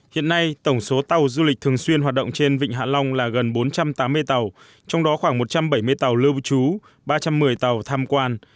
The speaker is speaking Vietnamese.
hiện nay tổng số tàu du lịch thường xuyên hoạt động trên vịnh hạ long là gần bốn trăm tám mươi tàu trong đó khoảng một trăm bảy mươi tàu lưu trú ba trăm một mươi tàu tham quan